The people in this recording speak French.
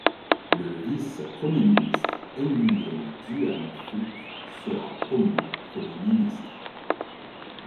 Le vice-premier ministre Nguyễn Xuân Phúc sera promu Premier ministre.